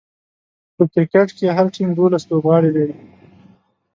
په کرکټ کښي هر ټيم دوولس لوبغاړي لري.